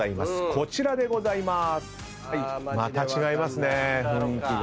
こちらでございます。